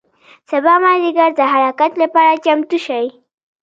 سبا مازدیګر د حرکت له پاره چمتو شئ.